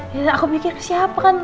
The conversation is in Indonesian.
ya aku mikir siapa kan